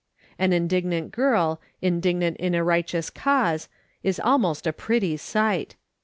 An indignant girl, indignant in a righteous cause, is almost a pretty sight.